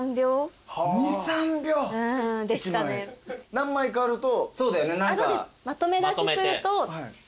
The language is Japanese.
何枚かあると。